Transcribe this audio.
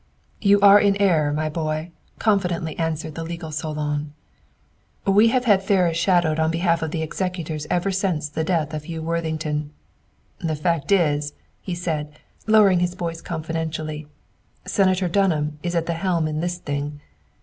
"You are in error, my boy," confidently answered the legal Solon. "We have had Ferris shadowed on behalf of the executors ever since the death of Hugh Worthington. The fact is," he said, lowering his voice confidentially, "Senator Dunham is at the helm in this thing.